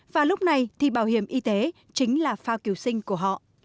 và lúc này thì bảo hiểm y tế chính là phao cứu sinh của họ